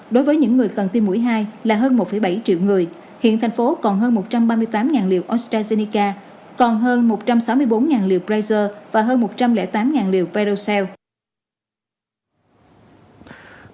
đối với những người cần tiêm mũi hai là hơn một bảy triệu người hiện thành phố còn hơn một trăm ba mươi tám liều ostrazeneca còn hơn một trăm sáu mươi bốn liều prezer và hơn một trăm linh tám liều perocell